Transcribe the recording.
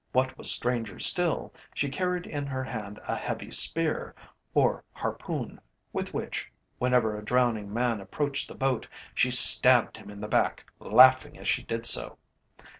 What was stranger still, she carried in her hand a heavy spear, or harpoon, with which, whenever a drowning man approached the boat, she stabbed him in the back, laughing as she did so.